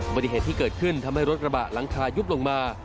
ปฏิเหตุที่เกิดขึ้นทำให้รถกระบะหลังคายุบลงมา